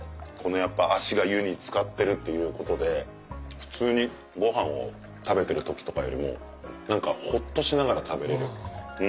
足が湯に漬かってるっていうことで普通にご飯を食べてる時とかよりもホッとしながら食べれる。